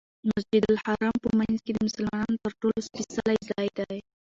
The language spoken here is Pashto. مسجدالحرام په منځ کې د مسلمانانو تر ټولو سپېڅلی ځای دی.